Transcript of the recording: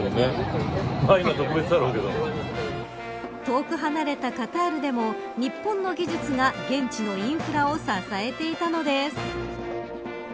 遠く離れたカタールでも日本の技術が現地のインフラを支えていたのです。